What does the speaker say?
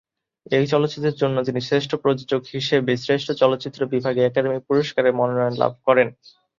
এই চলচ্চিত্রের জন্য তিনি শ্রেষ্ঠ প্রযোজক হিসেবে শ্রেষ্ঠ চলচ্চিত্র বিভাগে একাডেমি পুরস্কারের মনোনয়ন লাভ করেন।